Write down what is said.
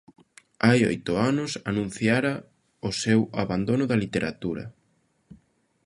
Hai oito anos anunciara o seu abandono da literatura.